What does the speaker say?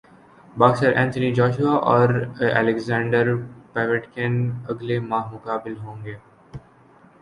boxer Anthony Joshua اور Alexander Povetkin اگلے ماہ مقابل ہوں گے